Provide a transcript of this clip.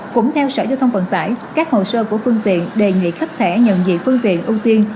cũng theo sở giao thông vận tải các hồ sơ của phương tiện đề nghị khách sẽ nhận diện phương tiện ưu tiên